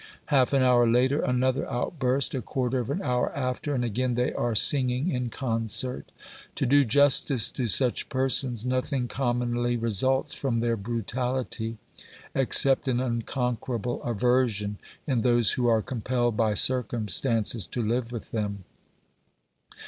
Half an hour later, another out burst ; a quarter of an hour after, and again they are singing in concert. To do justice to such persons, nothing commonly results from their brutaHty except an unconquerable aversion in those who are compelled by circumstances to live with them.